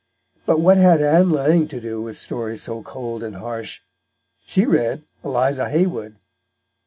But what had Ann Lang to do with stories so cold and harsh? She read Eliza Haywood.